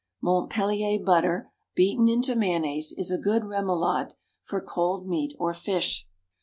(Montpellier butter beaten into mayonnaise is a good rémolade for cold meat or fish.)